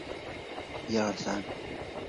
后担任云南省第二届人大代表。